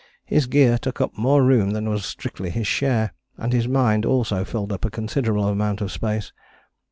His gear took up more room than was strictly his share, and his mind also filled up a considerable amount of space.